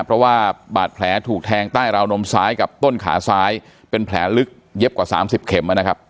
เพราะว่าบาดแผลถูกแทงใต้ราวนมซ้ายกับต้นขาซ้ายเป็นแผลลึกเย็บกว่า๓๐เข็มนะครับ